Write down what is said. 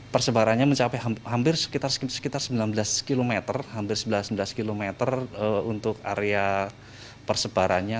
persebarannya mencapai hampir sekitar sembilan belas km untuk area persebarannya